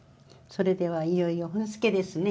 それではいよいよ本漬けですね。